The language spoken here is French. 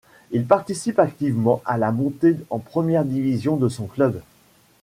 Il participe activement à la montée en première division de son club.